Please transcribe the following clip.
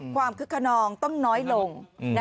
คึกขนองต้องน้อยลง